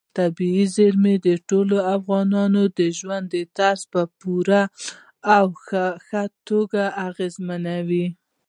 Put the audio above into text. طبیعي زیرمې د ټولو افغانانو د ژوند طرز په پوره او ښه توګه اغېزمنوي.